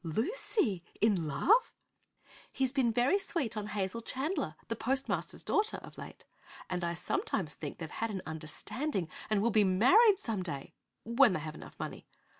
"Oh, Lucy! In love?" "He's been very sweet on Hazel Chandler, the postmaster's daughter, of late, and I sometimes think they've had an understanding and will be married, some day when they have enough money.